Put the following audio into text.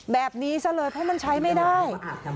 แบบนี้ซะเลยเพราะมันใช้ไม่ได้